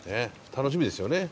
楽しみですよね。